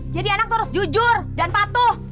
jadi anak tuh harus jujur dan patuh